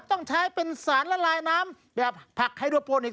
ต้องใช้เป็นสารละลายน้ำแบบผักไฮโดโปนิกส